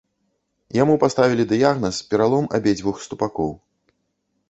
Яму паставілі дыягназ пералом абедзвюх ступакоў.